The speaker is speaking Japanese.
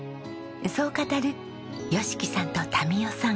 そう語る良さんと民代さん。